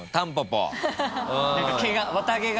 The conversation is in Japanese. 何か毛が綿毛が。